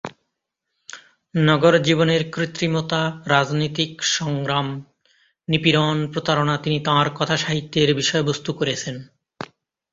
নগরজীবনের কৃত্রিমতা, রাজনীতিক সংগ্রাম, নিপীড়ন, প্রতারণা তিনি তাঁর কথাসাহিত্যের বিষয়বস্ত্ত করেছেন।